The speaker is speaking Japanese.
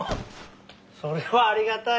それはありがたい。